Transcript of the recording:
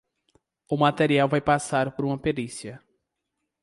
O material vai passar por uma perícia.